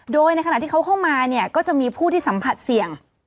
โดยในขณะที่เขาเข้ามาเนี่ยก็จะมีผู้ที่สัมผัสเสี่ยง